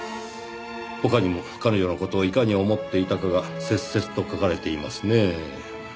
他にも彼女の事をいかに思っていたかが切々と書かれていますねぇ。